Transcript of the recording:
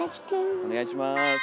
お願いします。